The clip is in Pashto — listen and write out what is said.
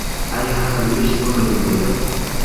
ایا هغه لویشت ځمکه درلوده؟